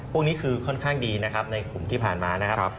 พวกนี้คือค่อนข้างดีนะครับในกลุ่มที่ผ่านมานะครับ